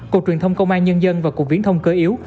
cục truyền thông công an nhân dân và cục viễn thông cơ yếu